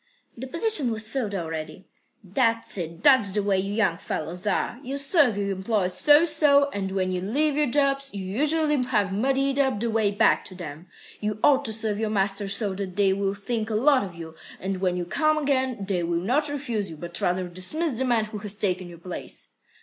"The position was filled already." "That's it. That's the way you young fellows are. You serve your employers so so, and when you leave your jobs, you usually have muddied up the way back to them. You ought to serve your masters so that they will think a lot of you, and when you come again, they will not refuse you, but rather dismiss the man who has taken your place."